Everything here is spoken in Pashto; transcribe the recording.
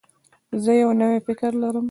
زه یو نوی فکر لرم.